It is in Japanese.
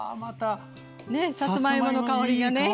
ねえさつまいもの香りがね。